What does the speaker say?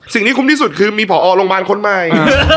สิ่งที่คุ้มที่สุดคือมีผอโรงพยาบาลคนใหม่